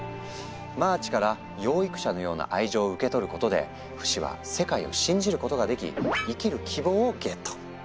マーチから養育者のような愛情を受け取ることでフシは世界を信じることができ「生きる希望」をゲット！